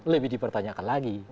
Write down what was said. lebih dipertanyakan lagi